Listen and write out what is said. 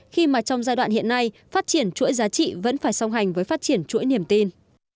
khi mà trong giai đoạn hiện nay phát triển chuỗi giá trị vẫn phải song hành với phát triển chuỗi niềm tin